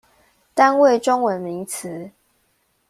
單位中文名詞